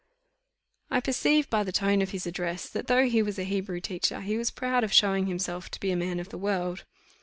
I perceived by the tone of his address, that, though he was a Hebrew teacher, he was proud of showing himself to be a man of the world.